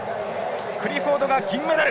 クリフォード、銀メダル！